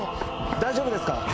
大丈夫ですか？